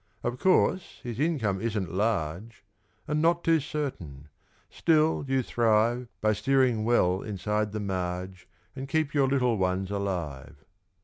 Of course, his income isn't large, And not too certain still you thrive By steering well inside the marge, And keep your little ones alive.